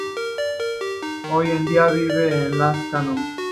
Hoy en día vive en Lazcano.